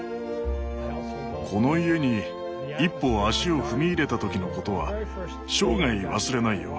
この家に一歩足を踏み入れた時のことは生涯忘れないよ。